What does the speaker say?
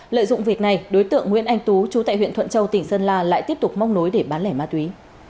lợi dụng việc này đối tượng nguyễn anh tú chú tại huyện thuận châu tỉnh sơn la lại tiếp tục móc nối để bán lẻ ma túy